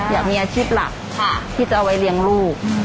อยากมีอาชีพหลักที่จะเอาไว้เลี้ยงลูก